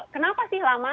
kenapa sih lama